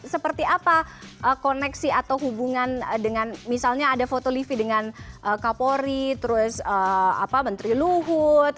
seperti apa koneksi atau hubungan dengan misalnya ada foto livi dengan kapolri terus menteri luhut